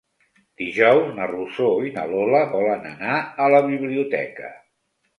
Dijous na Rosó i na Lola volen anar a la biblioteca.